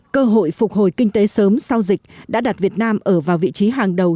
cơ hội phục hồi kinh tế sớm sau dịch đã đặt việt nam ở vào vị trí hàng đầu